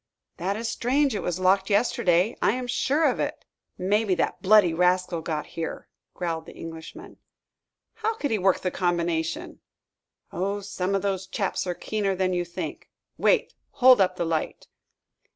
"That is strange. It was locked yesterday; I am sure of it." "Maybe that bloody rascal got here!" growled the Englishman. "How could he work the combination?" "Oh, some of those chaps are keener than you think. Wait, hold up the light."